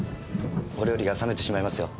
お料理が冷めてしまいますよ。